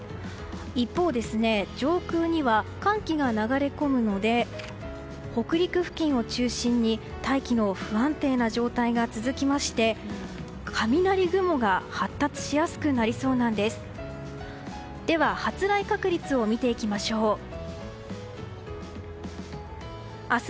一方、上空には寒気が流れ込むので北陸付近を中心に大気の不安定な状態が続きまして雷雲が発達しやすくなりそうなんです。